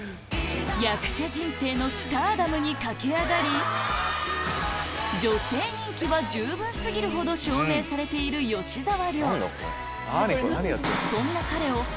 役者人生のスターダムに駆け上がり女性人気は十分過ぎるほど証明されている吉沢亮